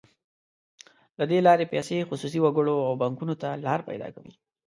له دې لارې پیسې خصوصي وګړو او بانکونو ته لار پیدا کوي.